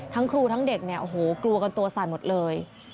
ทั้งครูทั้งเด็กกลวกันตัวสั่นหมดเลย